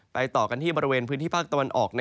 ต่อกันที่บริเวณพื้นที่ภาคตะวันออก